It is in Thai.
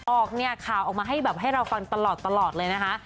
ออกเนี่ยข่าวออกมาให้แบบให้เราฟังตลอดเลยนะคะ